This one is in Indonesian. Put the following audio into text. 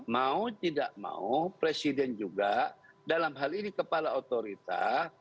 mau tidak mau presiden juga dalam hal ini kepala otorita